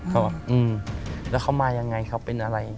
เขาบอกแล้วเขามายังไงเขาเป็นอะไร